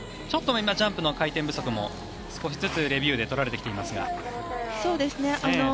ちょっとジャンプの回転不足も少しずつレビューで取られてきていますが。